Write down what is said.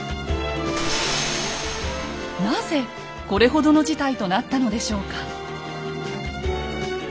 なぜこれほどの事態となったのでしょうか？